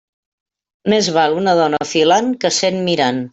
Més val una dona filant que cent mirant.